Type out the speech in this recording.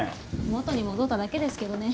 元に戻っただけですけどね。